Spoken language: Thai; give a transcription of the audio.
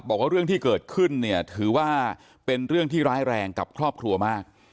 บอกว่าเรื่องที่เกิดขึ้นเนี่ยถือว่าเป็นเรื่องที่ร้ายแรงกับครอบครัวมาก